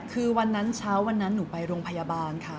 คือวันนั้นเช้าวันนั้นหนูไปโรงพยาบาลค่ะ